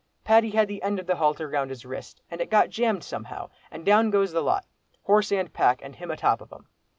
Paddy had the end of the halter round his wrist, and it got jammed somehow, and down goes the lot, horse and pack, and him atop of 'em.